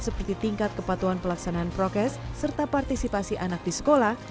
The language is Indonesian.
seperti tingkat kepatuhan pelaksanaan prokes serta partisipasi anak di sekolah